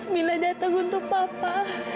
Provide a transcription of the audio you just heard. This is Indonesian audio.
mila datang untuk papa